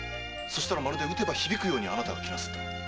そしたら打てば響くようにあなたが来なすった！